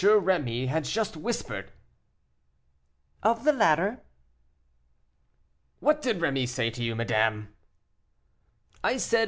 Rémy has just whispered?" "Of the latter." "What did Rémy say to you, madame?" "I said, M.